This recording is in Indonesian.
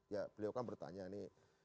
ya beliau kan bertanya nih